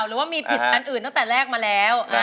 หรือว่ามีผิดอันอื่นตั้งแต่แรกมาแล้ว